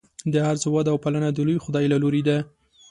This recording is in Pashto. د هر څه وده او پالنه د لوی خدای له لورې ده.